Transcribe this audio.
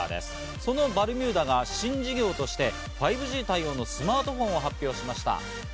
そのバルミューダが新事業として５Ｇ対応のスマートフォンを発表しました。